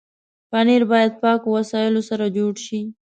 پنېر باید پاکو وسایلو سره جوړ شي.